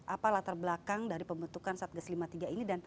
apa latar belakang dari pembentukan satgas lima puluh tiga ini